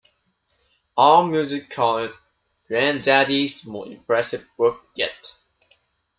AllMusic called it "Grandaddy's most impressive work yet".